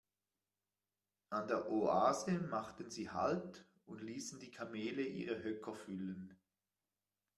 An der Oase machten sie Halt und ließen die Kamele ihre Höcker füllen.